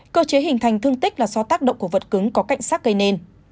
cơ chế hình thành thương tích là do tác động của vật cứng có cạnh sắc gây nên